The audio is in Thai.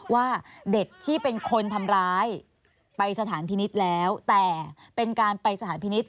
ว่าเด็กที่เป็นคนทำร้ายไปสถานพินิษฐ์แล้วแต่เป็นการไปสถานพินิษฐ